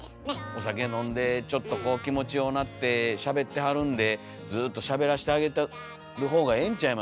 お酒飲んでちょっと気持ちようなってしゃべってはるんでずっとしゃべらしてあげてるほうがええんちゃいます？